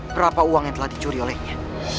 berapa uang yang telah dicuri olehnya